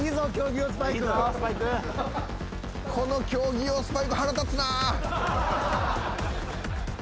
この競技用スパイク腹立つなぁ。